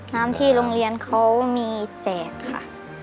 น้ำที่โรงเรียนเขามีแจกค่ะ